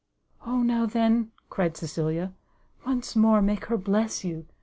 "O now then," cried Cecilia, "once more make her bless you!